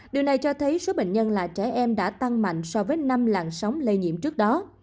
điều này cho thấy số bệnh nhân là trẻ em đã tăng mạnh so với năm làn sóng lây nhiễm trước đó